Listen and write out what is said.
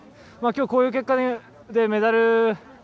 きょう、こういう結果でメダル